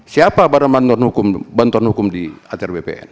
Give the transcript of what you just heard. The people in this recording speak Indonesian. siapa para bantuan hukum di atr bpn